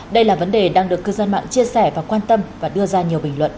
đây là vấn đề đang được cư dân mạng chia sẻ và quan tâm và đưa ra nhiều bình luận